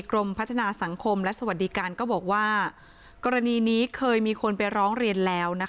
กรมพัฒนาสังคมและสวัสดิการก็บอกว่ากรณีนี้เคยมีคนไปร้องเรียนแล้วนะคะ